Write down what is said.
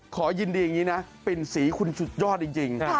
ขอยินดีอย่างนี้นะปิ่นสีคุณสุดยอดจริง